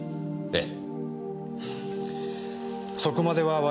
ええ。